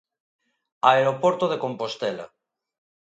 Aeroporto de Compostela.